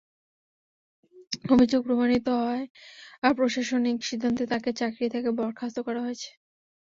অভিযোগ প্রমাণিত হওয়ায় প্রশাসনিক সিদ্ধান্তে তাঁকে চাকরি থেকে বরখাস্ত করা হয়েছে।